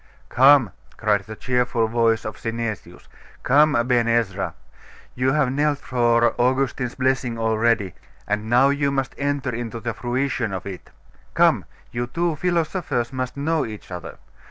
'Come,' cried the cheerful voice of Synesius, 'come, Aben Ezra; you have knelt for Augustine's blessing already, and now you must enter into the fruition of it. Come, you two philosophers must know each other.